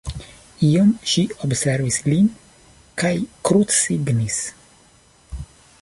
Iom ŝi observis lin kaj krucsignis.